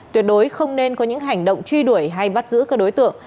tuyệt đối không nên có những hành động truy đuổi hay bắt giữ các đối tượng